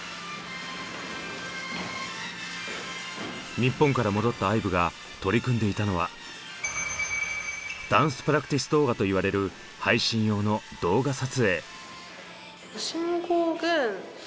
日本から戻ったＩＶＥが取り組んでいたのはダンスプラクティス動画と言われる配信用の動画撮影。